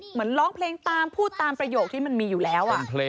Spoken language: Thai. เหมือนร้องเพลงตามพูดตามประโยคที่มันมีอยู่แล้ว